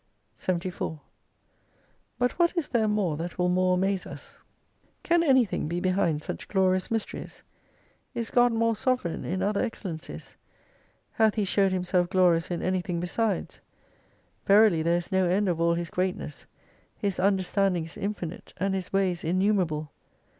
74 But what is there more that will more amaze us ? Can anything be behind such glorious mysteries ? Is God more Sovereign in other excellencies ? Hath He showed Himself glorious in anything besides ? Verily there is no end of all His greatness, His understanding is infinite, and His ways innumerable.